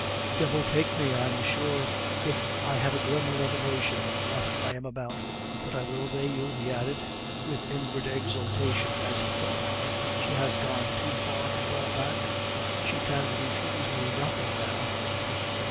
"Devil take me, I'm sure, if I have a glimmer of a notion of what I am about, but I will obey you," he added, with inward exultation, as he thought, "She has gone too far to draw back she can refuse me nothing now!"